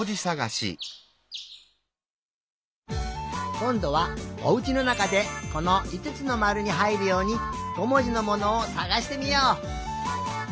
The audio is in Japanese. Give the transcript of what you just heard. こんどはおうちのなかでこのいつつのまるにはいるように５もじのものをさがしてみよう！